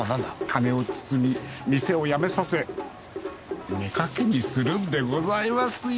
金を包み店をやめさせ妾にするんでございますよ。